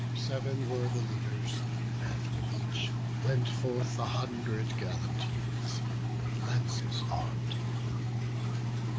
Sev'n were the leaders; and with each went forth A hundred gallant youths, with lances arm'd.